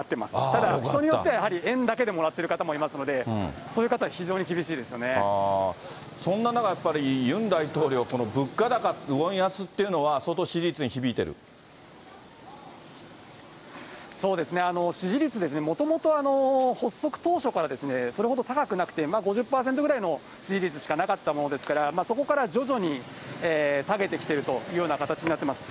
ただ、人によっては、円だけでもらってる方もいますので、そういう方は非常に厳しいでそんな中、やっぱりユン大統領、物価高、ウォン安っていうのは、相当、そうですね、支持率ですね、もともと発足当初からそれほど高くなくて、５０％ぐらいの支持率しかなかったものですから、そこから徐々に下げてきているというような形になってます。